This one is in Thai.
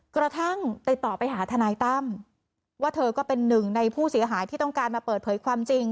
กระทั่งติดต่อไปหาทนายตั้มว่าเธอก็เป็นหนึ่งในผู้เสียหายที่ต้องการมาเปิดเผยความจริง